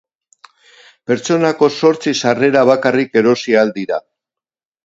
Pertsonako zortzi sarrera bakarrik erosi ahal dira.